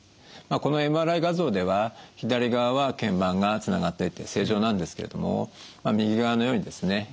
このＭＲＩ画像では左側は腱板がつながっていて正常なんですけれども右側のようにですね